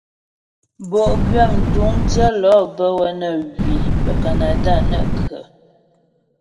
Bo'gwyə mtuŋdyə lɔ' bə́ wə́ nə hwi bə́ Kanada nə ghə.